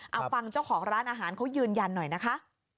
เอาฟังเจ้าของร้านอาหารเขายืนยันหน่อยนะคะ